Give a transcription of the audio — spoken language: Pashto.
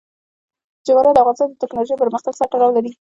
جواهرات د افغانستان د تکنالوژۍ پرمختګ سره تړاو لري.